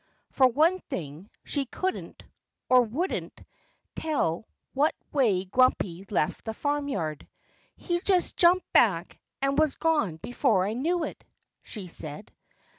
For one thing, she couldn't (or wouldn't) tell what way Grumpy left the farmyard. "He just jumped back and was gone before I knew it," she said.